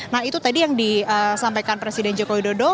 nah itu tadi yang disampaikan presiden joko widodo